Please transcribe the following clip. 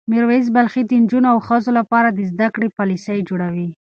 میر ویس بلخي د نجونو او ښځو لپاره د زده کړې پالیسۍ جوړوي.